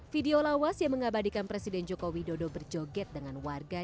video lawas yang mengabadikan presiden joko widodo berjoget dengan warga